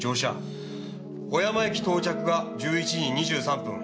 小山駅到着が１１時２３分。